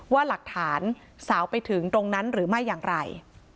ว่าหลักฐานสาวไปถึงตรงนั้นหรือไม่อย่างไร